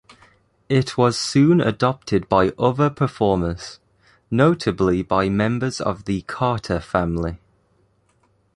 It was soon adopted by other performers, notably by members of the Carter Family.